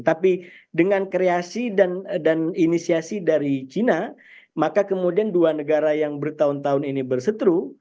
tapi dengan kreasi dan inisiasi dari china maka kemudian dua negara yang bertahun tahun ini bersetru